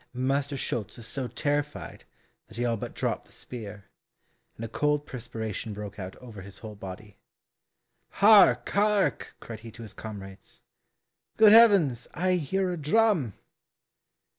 Master Schulz was so terrified that he all but dropped the spear, and a cold perspiration broke out over his whole body. "Hark! hark!" cried he to his comrades, "Good heavens! I hear a drum."